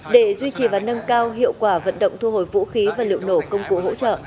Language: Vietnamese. để duy trì và nâng cao hiệu quả vận động thu hồi vũ khí và liệu nổ công cụ hỗ trợ